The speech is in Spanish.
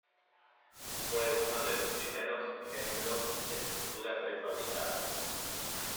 Fue uno de los primeros ejemplos de estructura prefabricada.